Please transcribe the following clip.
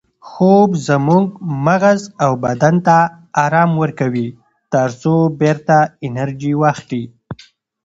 خوب زموږ مغز او بدن ته ارام ورکوي ترڅو بیرته انرژي واخلي